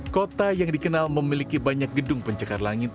kota yang dikenal memiliki banyak gedung pencekar langit